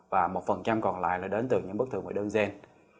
và một còn lại là đến từ những cái bất thường về đơn gen